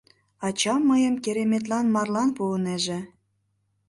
Ачам мыйым кереметлан марлан пуынеже...